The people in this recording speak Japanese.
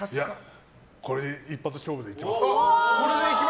これ一発勝負でいきます。